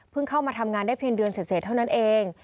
เข้ามาทำงานได้เพียงเดือนเสร็จเท่านั้นเอง